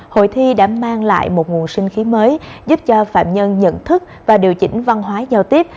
hội thi đã mang lại một nguồn sinh khí mới giúp cho phạm nhân nhận thức và điều chỉnh văn hóa giao tiếp